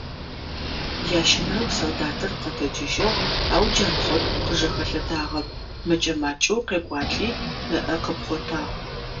Ящэнэрэу солдатыр къэтэджыжьыгъ, ау Джанхъот къыжэхэлъэдагъэп, мэкӀэ-макӀэу къекӀуалӀи, ыӀэ къыпхъотагъ.